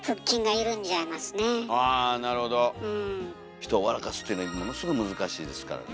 人を笑かすというのはものすごい難しいですからね。